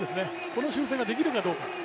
この修正ができるかどうか。